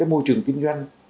môi trường kinh doanh